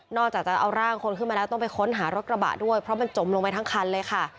จากจะเอาร่างคนขึ้นมาแล้วต้องไปค้นหารถกระบะด้วยเพราะมันจมลงไปทั้งคันเลยค่ะ